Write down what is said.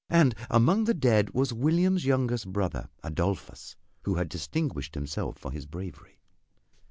And among the dead was William's youngest brother, Adolphus, who had distinguished himself for his bravery.